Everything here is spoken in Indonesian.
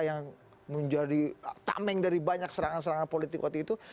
yang menjadi tameng dari banyak serangan serangan politik waktu itu